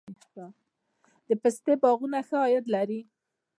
د پستې باغونه ښه عاید لري؟